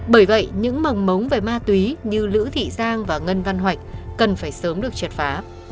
bởi vậy những mồng mống về ma túy như lữ thị giang và ngân văn hoạch cần phải sớm được triệt phá